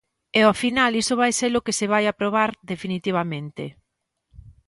E ao final iso vai ser o que se vai aprobar definitivamente.